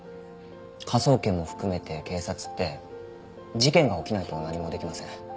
科捜研も含めて警察って事件が起きないと何もできません。